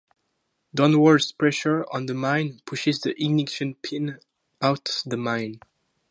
Downwards pressure on the mine pushes the ignition pin out the mine.